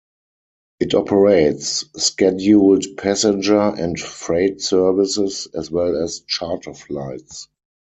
It operates scheduled passenger and freight services, as well as charter flights.